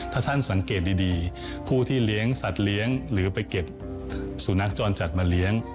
ถ้าท่านสังเกตดีผู้ที่เลี้ยงสัตว์เลี้ยงหรือไปเก็บสุนัขจรจัดมาเลี้ยง